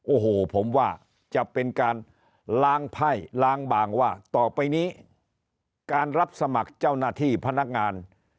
โอ้โหผมว่าจะเป็นการล้างไพ่ล้างบางว่าต่อไปนี้การรับสมัครเจ้าหน้าที่พนักงาน